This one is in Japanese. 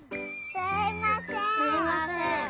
すいません。